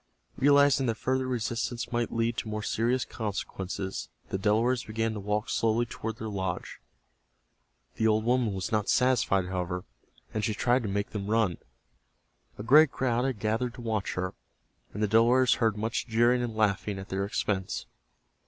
Realizing that further resistance might lead to more serious consequences the Delawares began to walk slowly toward their lodge. The old woman was not satisfied, however, and she tried to make them run. A great crowd had gathered to watch her, and the Delawares heard much jeering and laughing at their expense.